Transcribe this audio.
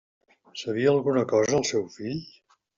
Sabia alguna cosa el seu fill?